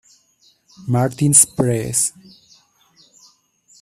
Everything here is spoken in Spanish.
Martin's Press.